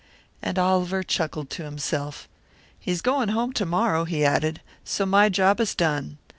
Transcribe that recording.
And Oliver chuckled to himself. "He's going home to morrow," he added. "So my job is done.